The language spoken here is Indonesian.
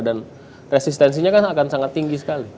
dan resistensinya akan sangat tinggi sekali